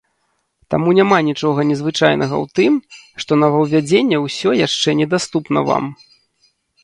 Таму няма нічога незвычайнага ў тым, што новаўвядзенне ўсё яшчэ недаступна вам.